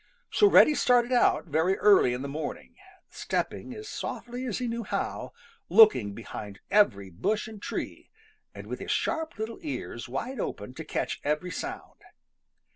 So Reddy started out very early in the morning, stepping as softly as he knew how, looking behind every bush and tree, and with his sharp little ears wide open to catch every sound.